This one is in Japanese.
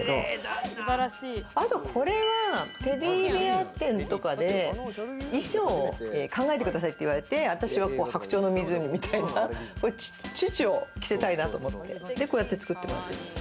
あとこれはテディベア展とかで衣装を考えてくださいって言われて、『白鳥の湖』みたいなチュチュを着せたいなと思って。